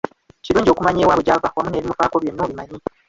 Kirungi okumanya ewabwe gyava wamu n’ebimufaako byonna obimanye.